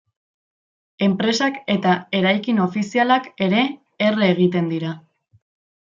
Enpresak eta eraikin ofizialak ere erre egiten dira.